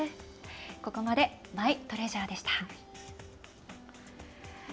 ここまでマイトレジャーでした。